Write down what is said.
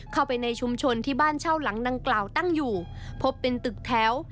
เข้าไปในชุมชนที่บ้านเช่าหลังดังกล่าวตั้งอยู่พบเป็นตึกแถว